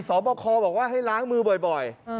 สอบคอบอกว่าให้ล้างมือบ่อย